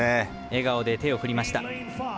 笑顔で手を振りました。